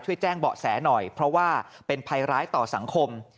ช่วยแจ้งเบาะแสหน่อยเพราะว่าเป็นภัยร้ายต่อสังคม